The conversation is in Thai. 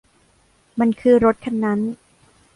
มันคือรถคันนั้น